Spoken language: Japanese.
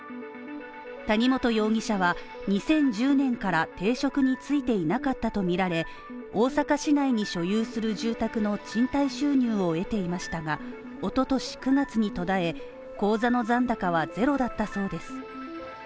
谷本容疑者は２０１０年から定職に就いていなかったとみられ、大阪市内に所有する住宅の賃貸収入を得ていましたが、一昨年９月に途絶え、口座の残高はゼロだったそうです。